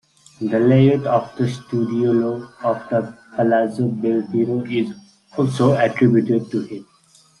The layout of the Studiolo of the Palazzo Belfiore is also attributed to him.